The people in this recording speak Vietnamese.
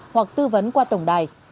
hoặc tư vấn qua tổng đài